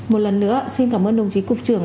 một lần nữa xin cảm ơn đồng chí cục trưởng